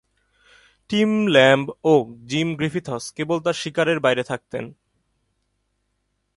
Team Lamb ও Jim Griffiths কেবল তার শিকারের বাইরে থাকেন।